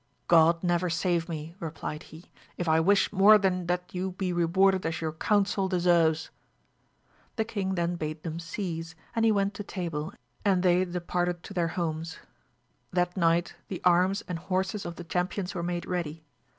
God never save me, replied he, if I wish more than that you be rewarded as your counsel deserves. The king then bade them cease, and he went to table, and they departed to their homes. That night the arms and horses of the champions were made ready.